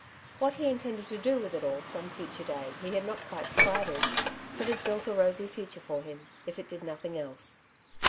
What he intended to do with it all some future day he had not quite decided, but it built a rosy future for him, if it did nothing else.